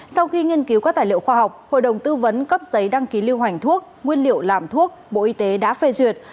sau khi nghiên cứu các tài liệu khoa học hội đồng tư vấn cấp giấy đăng ký lưu hành thuốc nguyên liệu làm thuốc bộ y tế đã phê duyệt